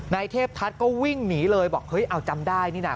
นายเทพทัศน์ก็วิ่งหนีเลยบอกเฮ้ยเอาจำได้นี่น่ะ